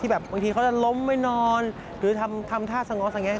ที่บางทีเขาจะล้มไม่นอนหรือทำท่าสงสังแยะ